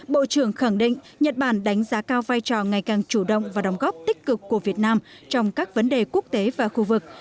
bộ trưởng khẳng định nhật bản đánh giá cao vai trò ngày càng chủ động và đóng góp tích cực của việt nam trong các vấn đề quốc tế và khu vực